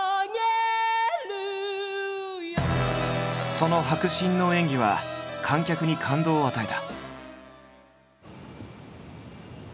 その迫真の演技は観客に感動を与えた。